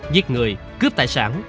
giết người cướp tài sản